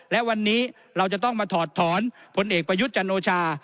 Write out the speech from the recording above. และวันนี้เราจะต้องมาถอดถอนผลเอกประยุทธ์จันโอชา